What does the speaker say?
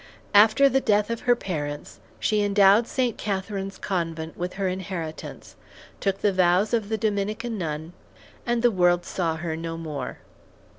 After the death of her parents, she endowed St. Catherine's Convent with her inheritance, took the vows of the Dominican nun, and the world saw her no more.